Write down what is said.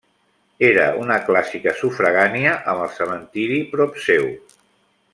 Era una clàssica sufragània, amb el cementiri prop seu.